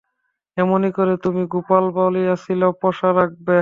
এমনি করে তুমি, গোপাল বলিয়াছিল, পসার রাখবে?